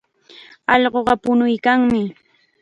Allquqa puñuykanmi.